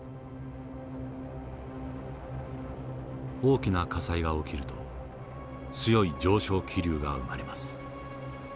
大きな火災が起きると強い上昇気流が生まれます。